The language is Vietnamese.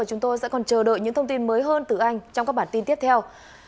chúng tôi sẽ còn chờ đợi những thông tin mới hơn từ anh trong các bản tin tiếp theo